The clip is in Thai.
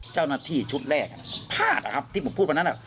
เจ้านาฑี่ชุดแรกพลาดครับที่ผมพูดครั้งานั้น